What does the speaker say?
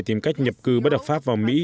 tìm cách nhập cư bất hợp pháp vào mỹ